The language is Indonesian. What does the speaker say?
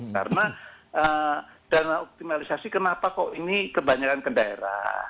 karena dana optimalisasi kenapa kok ini kebanyakan ke daerah